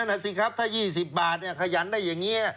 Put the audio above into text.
นั่นแหละสิครับถ้า๒๐บาทเนี่ยขยันได้อย่างนี้